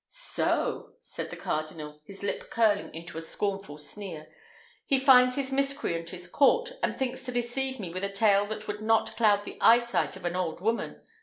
"So!" said the cardinal, his lip curling into a scornful sneer, "he finds his miscreant is caught, and thinks to deceive me with a tale that would not cloud the eyesight of an old woman.